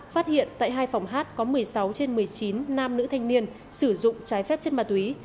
phát hiện tại hai phòng hát có một mươi sáu trên một mươi chín nam nữ thanh niên sử dụng trái phép chất ma túy